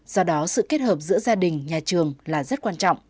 do đó sự kết hợp giữa gia đình nhà trường là rất quan trọng